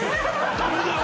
「ダメだよ